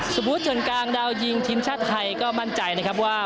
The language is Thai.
พุทธเนินกลางดาวยิงทีมชาติไทยก็มั่นใจนะครับว่า